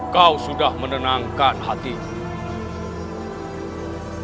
kau sudah menenangkan hatiku